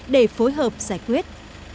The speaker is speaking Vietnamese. để phối hợp giải quyết